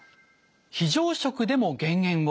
「非常食でも減塩を」。